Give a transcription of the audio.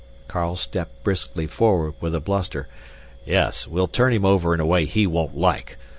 Carl stepped briskly forward, with a bluster, "Yes. We'll turn him over in a way he won't like.